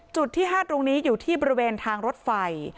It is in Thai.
จุดที่๕ตรงนี้อยู่ที่บริเวณทางรถไฟ